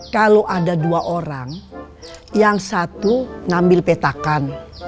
kalau ada dua orang yang satu ngambil petakan